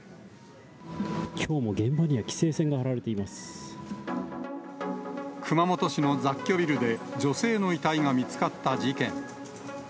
きょうも現場には規制線が張熊本市の雑居ビルで、女性の遺体が見つかった事件。